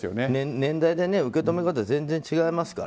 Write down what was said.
年代で受け止め方は全然違いますから。